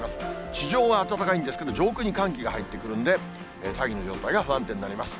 地上は暖かいんですけど、上空に寒気が入ってくるんで、大気の状態が不安定になります。